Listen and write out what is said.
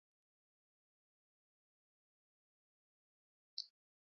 kaka ne ndalo omedo sudi namedo somo matek